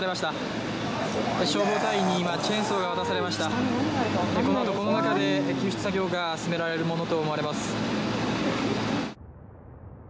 今このあとこの中で救出作業が進められるものと思われます